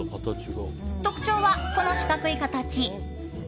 特徴は、この四角い形。